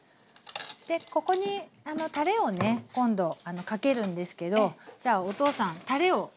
ここにたれをね今度かけるんですけどじゃあお父さんたれをいいですか？